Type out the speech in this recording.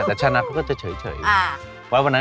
มีสถานการณ์ไหนที่แบบว่ามี